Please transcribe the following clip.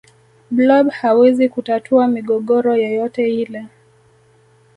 blob hawezi kutatua migogoro yoyote hile